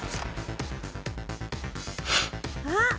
あっ！